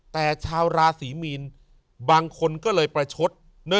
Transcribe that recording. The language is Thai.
แต่ชาวราศรีมีนบางคนก็เลยประชด